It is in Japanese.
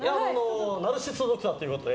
ナルシストドクターということで。